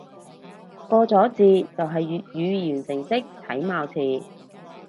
個咗字就係粵語完成式體貌詞